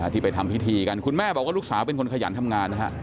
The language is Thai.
ที่ไปทำพิธีกันคุณแม่บอกว่าลูกสาวเป็นคนขยันทำงานนะฮะ